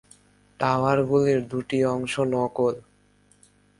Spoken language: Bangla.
টাওয়ারগুলির দুটি অংশ নকল।